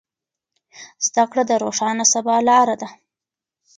زده کړه د روښانه سبا لاره ده.